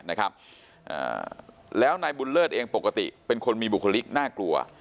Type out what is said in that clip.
นะครับอ่าแล้วนายบุญเลิศเองปกติเป็นคนมีบุคลิกน่ากลัว